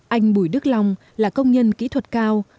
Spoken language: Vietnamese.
anh bùi đức long là công nhân kỹ thuật cao